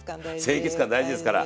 清潔感大事ですから。